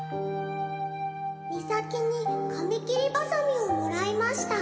「ミサキにかみ切りばさみをもらいました」